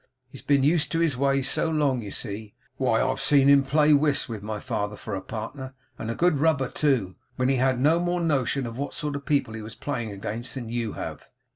He's been used to his ways so long, you see! Why, I've seen him play whist, with my father for a partner; and a good rubber too; when he had no more notion what sort of people he was playing against, than you have.